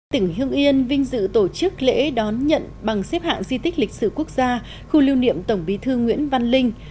tỉnh hưng yên vinh dự tổ chức lễ đón nhận bằng xếp hạng di tích lịch sử quốc gia khu lưu niệm tổng bí thư nguyễn văn linh